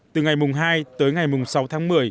từ ngày mùng hai tới ngày mùng sáu tháng một mươi